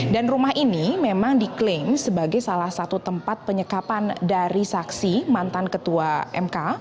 dan rumah ini memang diklaim sebagai salah satu tempat penyekapan dari saksi mantan ketua mk